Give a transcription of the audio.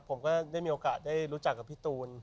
ผมก็ได้มีโอกาสได้รู้จักกับพี่ตูน